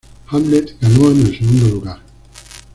Hamlet ganó en el segundo lugar.